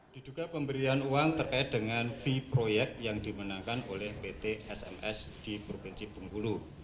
diduga pemberian uang terkait dengan v proyek yang dimenangkan oleh pt sms di provinsi bengkulu